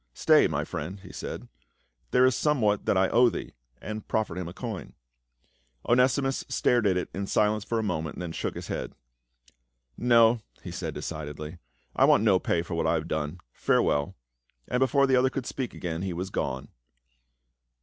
" Stay, my friend," he said, " there is somewhat that I owe thee," and he proffered a coin. Onesimus stared at it in silence for a moment, then he shook his head. " No," he said decidedly, " I want no pay for what I have done. Farewell." And before the other could speak again, he was gone.